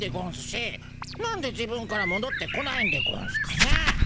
なんで自分からもどってこないんでゴンスかねえ。